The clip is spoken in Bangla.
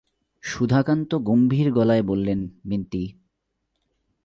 সুধাকান্ত গম্ভীর গলায় বললেন, বিন্তি।